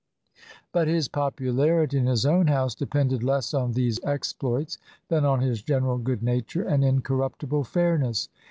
But his popularity in his own house depended less on these exploits than on his general good nature and incorruptible fairness.